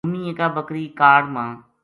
گُمی اِکا بکری کاڑ ما